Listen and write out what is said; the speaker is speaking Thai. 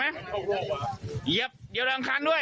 เหยียบดาวอังคารด้วย